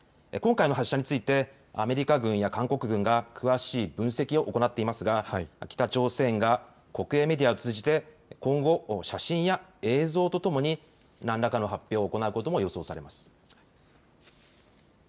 今回の発射についてアメリカ軍や韓国軍が詳しい分析を行っていますが北朝鮮が国営メディアを通じて今後、写真や映像とともに何らかの発表を行うことも予想されます。